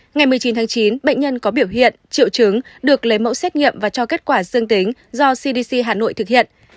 ngày một mươi chín tháng chín bệnh nhân có biểu hiện triệu chứng được lấy mẫu xét nghiệm và cho kết quả dương tính do cdc hà nội thực hiện